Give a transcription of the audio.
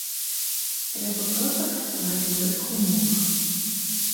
Трэба проста працаваць у гэтых умовах.